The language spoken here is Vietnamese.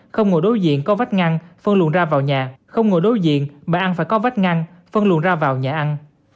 không ngồi đối diện co vắt ngăn phân luận ra vào nhà không ngồi đối diện bà ăn phải co vắt ngăn phân luận ra vào nhà ăn